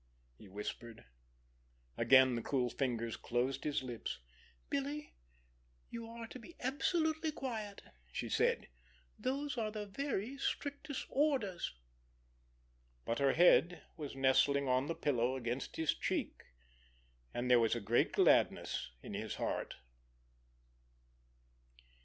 he whispered. Again the cool fingers closed his lips. "Billy, you are to be absolutely quiet," she said. "Those are the very strictest orders." But her head was nestling on the pillow against his cheek, and there was a great gladness in his heart.